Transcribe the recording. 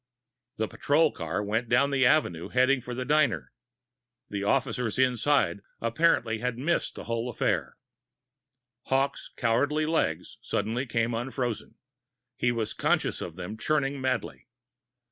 The patrol car went on down the Avenue, heading for the diner. The officers inside apparently had missed the whole affair. Hawkes' cowardly legs suddenly came unfrozen. He was conscious of them churning madly.